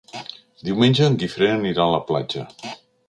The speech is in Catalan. Diumenge en Guifré anirà a la platja.